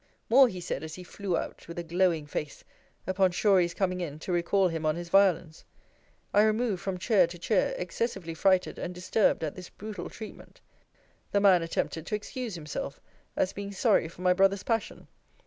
More he said, as he flew out, with a glowing face, upon Shorey's coming in to recall him on his violence. I removed from chair to chair, excessively frighted and disturbed at this brutal treatment. The man attempted to excuse himself, as being sorry for my brother's passion.